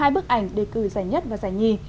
hai bức ảnh đề cử giải nhất và giải nhì